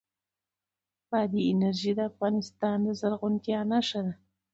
بادي انرژي د افغانستان د زرغونتیا نښه ده.